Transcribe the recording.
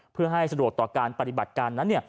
เพื่อให้สะดวกต่อการปฏิบัติการนั้น